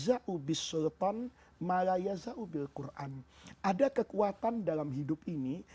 ada kekuatan dalam hidup ini